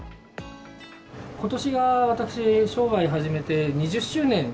ことしが私、商売始めて２０周年。